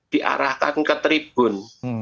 diarahkan ke tribun